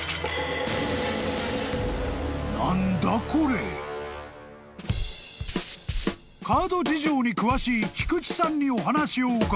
［カード事情に詳しい菊地さんにお話を伺うと］